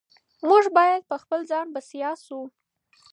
موږ باید په خپل ځان بسیا شو.